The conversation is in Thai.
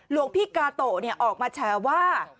ลูกพี่กาโตะออกมาแชร์ว่า